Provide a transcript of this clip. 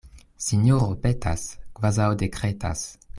Sinjoro petas, kvazaŭ dekretas.